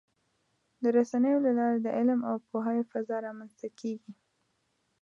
د رسنیو له لارې د علم او پوهاوي فضا رامنځته کېږي.